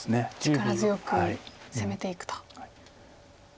力強く攻めていくと。